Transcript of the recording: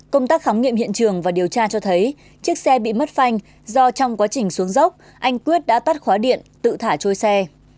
công tác khám nghiệm hiện trường và điều tra cho thấy chiếc xe bị mất phanh do trong quá trình xuống dốc anh quyết đã tắt khóa điện tự thả trôi xe